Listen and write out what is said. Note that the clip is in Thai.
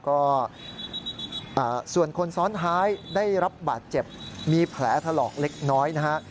ก็ส่วนคนซ้อนท้ายได้รับบาดเจ็บมีแผลถลอกเล็กน้อยนะฮะ